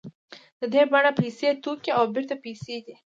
د دې بڼه پیسې توکي او بېرته پیسې دي